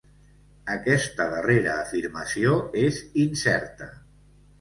Aquesta darrera afirmació és incerta.